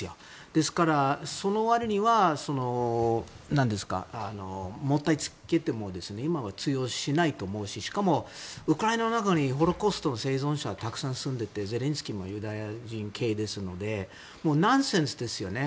ですから、その割にはもったいつけても今は通用しないと思うししかも、ウクライナの中にホロコーストの生存者がたくさん住んでいてゼレンスキーもユダヤ系ですのでナンセンスですよね